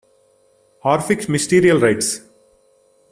Orphic Mysterial Rites.